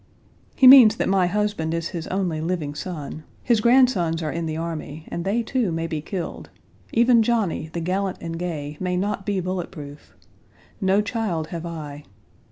He means that my husband is his only living son; his grandsons are in the army, and they, too, may be killed even Johnny, the gallant and gay, may not be bullet proof. No child have I.